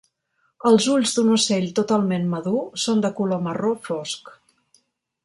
Els ulls d'un ocell totalment madur són de color marró fosc.